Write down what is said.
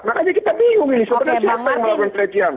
makanya kita bingung ini sebenarnya siapa yang melakukan pelecehan